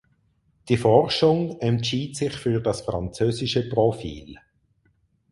Die Forschung entschied sich für das französische Profil.